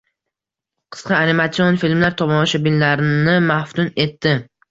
Qisqa animatsion filmlar tomoshabinlarni maftun etdi